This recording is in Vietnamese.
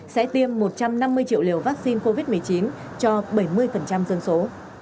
sẽ tiêm một trăm năm mươi triệu liều vaccine covid một mươi chín cho bảy mươi dân số